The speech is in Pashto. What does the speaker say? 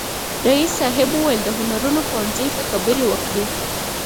رئیس صاحب وویل د هنرونو پوهنځي ته خبرې وکړي.